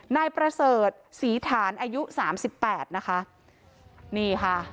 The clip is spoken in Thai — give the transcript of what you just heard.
นายประเสริฐศรีฐานอายุสามสิบแปดนะคะนี่ค่ะ